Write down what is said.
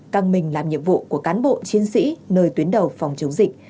căng mình làm nhiệm vụ của cán bộ chiến sĩ nơi tuyến đầu phòng chống dịch